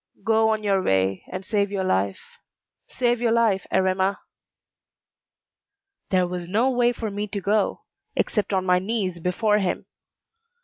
Go on your way, and save your life; save your life, Erema." There was no way for me to go, except on my knees before him.